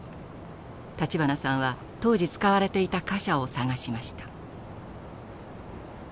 立花さんは当時使われていた貨車を探しました。